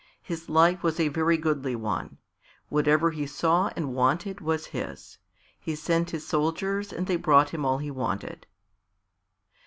His life was a very goodly one. Whatever he saw and wanted was his. He sent his soldiers and they brought him all he wanted.